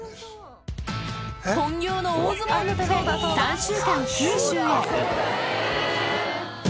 本業の大相撲のため、３週間九州へ。